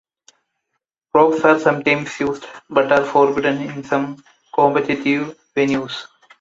Props are sometimes used, but are forbidden in some competitive venues.